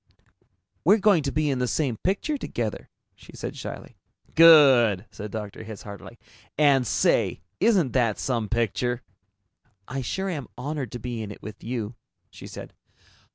"We're going to be in the same picture together," she said shyly. "Good!" said Dr. Hitz heartily. "And, say, isn't that some picture?" "I sure am honored to be in it with you," she said.